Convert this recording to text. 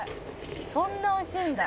「そんな美味しいんだ」